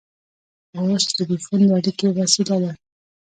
اوس ټیلیفون د اړیکې وسیله ده.